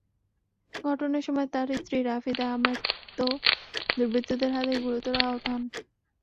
ঘটনার সময় তাঁর স্ত্রী রাফিদা আহমেদও দুর্বৃত্তদের হাতে গুরুতর আহত হন।